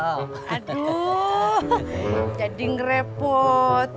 aduh jadi ngerepotin